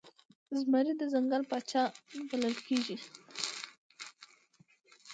زمری د ځنګل پاچا بلل کېږي.